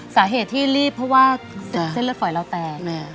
สาเหตุที่รีบเพราะว่าเส้นเลือดฝอยเราแตก